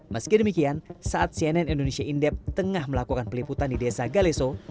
meski demikian saat cnn indonesia indep tengah melakukan peliputan di desa galeso